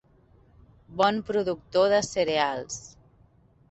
Bon productor de cereals.